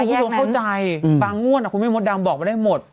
คุณผู้ชมเข้าใจบางงวดคุณแม่มดดำบอกมาได้หมด